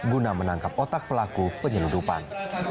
guna menangkap otak pelaku penyeludupan